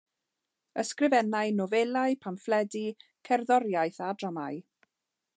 Ysgrifennai nofelau, pamffledi, cerddoriaeth a dramâu.